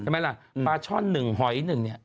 ใช่ไหมล่ะปลาช่อน๑หอยหนึ่งเนี่ย